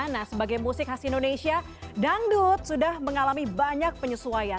nah sebagai musik khas indonesia dangdut sudah mengalami banyak penyesuaian